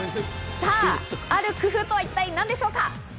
ある工夫とは一体何でしょうか？